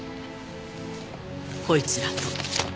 こいつらと。